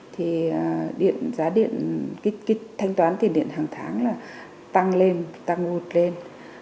thì giá điện cái thanh toán tiền điện hàng tháng là tăng lên tăng ngụt lên